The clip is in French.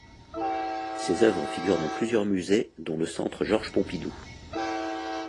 Ses œuvres figurent dans plusieurs Musées dont le centre Georges Pompidou.